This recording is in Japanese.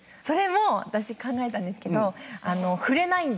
それも私考えたんですけどえっ！？